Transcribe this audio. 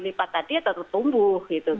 lipat tadi tetap tumbuh